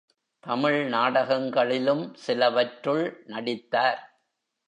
தமிழ் நாடகங்களிலும் சிலவற்றுள் நடித்தார்.